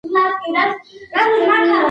کتابونه د علم د پراختیا لپاره محکوم بولی.